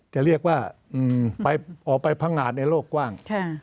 จะเรียกว่าออกไปพังงาดในโลกกว้าง